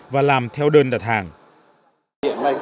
và làm sản xuất gia công cho doanh nghiệp